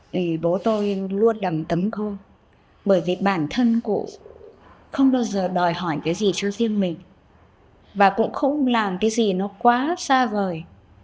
vì bố tôi luôn đầm tấm khô bởi vì bản thân cụ không bao giờ đòi hỏi cái gì cho riêng mình và cũng không làm cái gì nó quá xa vời